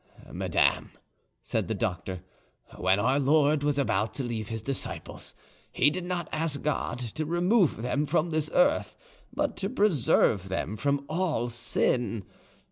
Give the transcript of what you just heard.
"Madame," said the doctor, "when our Lord was about to leave His disciples, He did not ask God to remove them from this earth, but to preserve them from all sin.